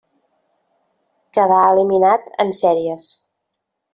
Quedà eliminat en sèries.